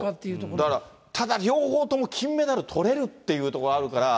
だから、ただ両方とも金メダルとれるっていうところあるから。